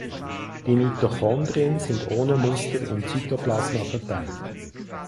Die Mitochondrien sind ohne Muster im Zytoplasma verteilt.